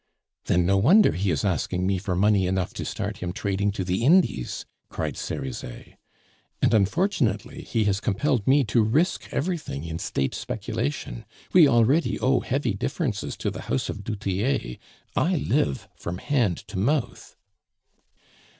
"Then no wonder he is asking me for money enough to start him trading to the Indies?" cried Cerizet. "And unfortunately he has compelled me to risk everything in State speculation. We already owe heavy differences to the house of du Tillet. I live from hand to mouth."